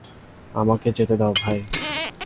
আমাকে যেতে দাও, ভাই।